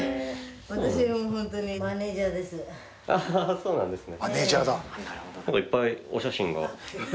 そうなんですね。